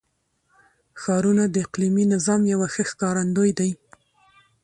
ښارونه د اقلیمي نظام یو ښه ښکارندوی دی.